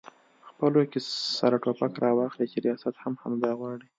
خپلو کې سره ټوپک راواخلي چې ریاست هم همدا غواړي؟